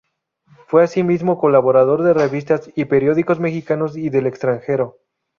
Fue asimismo colaborador de revistas y periódicos mexicanos y del extranjero.